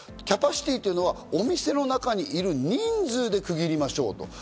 キャパシティーというのは、お店の中にいる人数で区切りましょうと。